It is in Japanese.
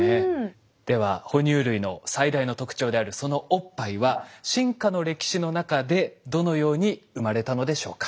では哺乳類の最大の特徴であるそのおっぱいは進化の歴史の中でどのように生まれたのでしょうか。